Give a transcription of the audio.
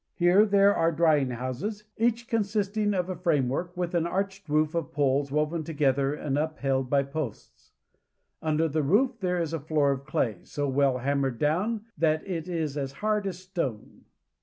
Here there are drying houses, each consisting of a framework with an arched roof of poles woven together and upheld by posts. Under the roof there is a floor of clay, so well hammered down that it is as hard as stone.